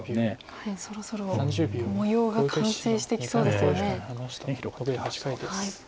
下辺そろそろ模様が完成してきそうですよね。